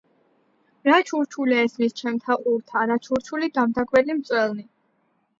" რა ჩურჩული ესმის ჩემთა ყურთა რა ჩურჩული დამდაგველი მწველნი